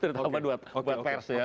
terutama buat pers ya